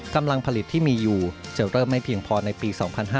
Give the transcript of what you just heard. กำลังผลิตที่มีอยู่จะเริ่มไม่เพียงพอในปี๒๕๕๙